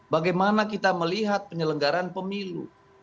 bagaimana kita melihat penyelenggaran pemilu